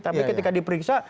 tapi ketika diperiksa